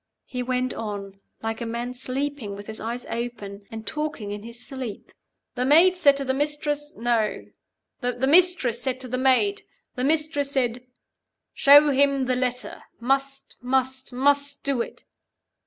He went on like a man sleeping with his eyes open, and talking in his sleep. "The Maid said to the Mistress. No the Mistress said to the Maid. The Mistress said, 'Show him the letter. Must, must, must do it.